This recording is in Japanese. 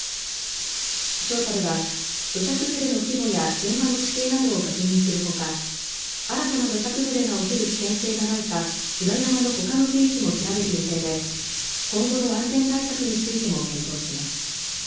調査では土砂崩れの規模や現場の地形などを確認するほか新たな土砂崩れが起きる危険性がないか裏山のほかの区域も調べる予定で今後の安全対策についても検討します。